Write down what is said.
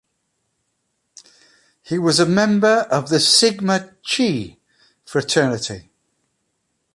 He was a member of the Sigma Chi fraternity.